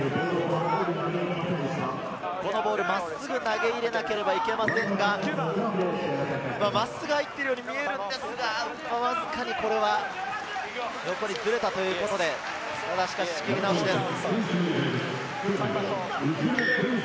このボール、真っすぐ投げ入れなければいけませんが、真っすぐ入っているように見えるんですが、わずかに横にずれたということで蹴り直しです。